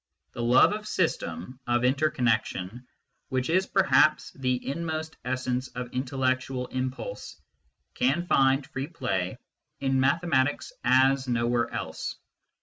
The love of system, of interconnection, which is perhaps the inmost essence of the intellectual impulse, can find free play in mathematics as nowhere else.